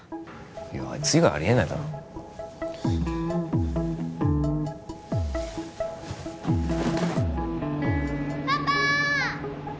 いやあいつ以外ありえないだろパパ！